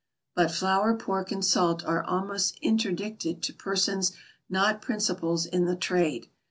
But flour, pork, and salt are almost interdicted to persons not principals in the trade.